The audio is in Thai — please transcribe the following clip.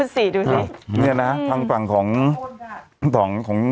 สวัสดีครับคุณผู้ชม